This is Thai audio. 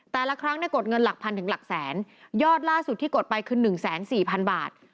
แต่ละครั้งในกดเงินหลักพันถึงหลักแสนยอดล่าสุดที่กดไปคือ๑๐๔๐๐๐บาท